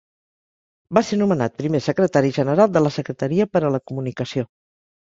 Va ser nomenat primer Secretari General de la Secretaria per a la Comunicació.